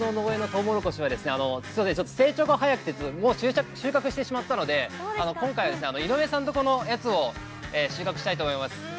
僕の農園のトウモロコシは、すみません、ちょっと、成長が早くてもう収穫してしまったので、今回は、井上さんとこのやつを収穫したいと思います。